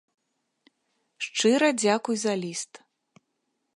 Шчыра дзякуй за ліст.